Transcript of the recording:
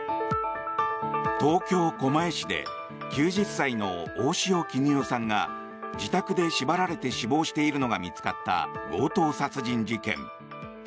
東京・狛江市で９０歳の大塩衣與さんが自宅で縛られて死亡しているのが見つかった強盗殺人事件。